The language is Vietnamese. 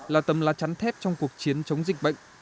là tầm lá chắn thép trong cuộc chiến chống dịch bệnh